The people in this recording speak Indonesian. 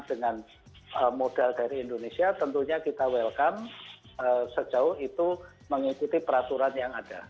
dengan modal dari indonesia tentunya kita welcome sejauh itu mengikuti peraturan yang ada